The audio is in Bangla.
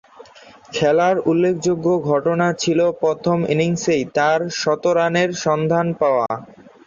খেলার উল্লেখযোগ্য ঘটনা ছিল প্রথম ইনিংসেই তার শতরানের সন্ধান পাওয়া।